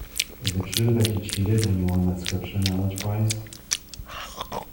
Is it true that you cheated when you won that Scripture-knowledge prize?